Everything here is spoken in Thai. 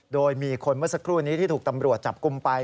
โดยมีคนเมื่อสักครู่นี้ที่ถูกตำรวจจับกลุ่มไป